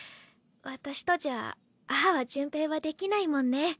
私とじゃああは潤平はできないもんね。